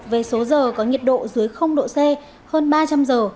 về số giờ có nhiệt độ dưới độ c hơn ba trăm linh giờ